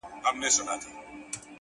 لكه ملا؛